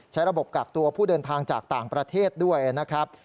ระบบกักตัวผู้เดินทางจากต่างประเทศด้วยนะครับ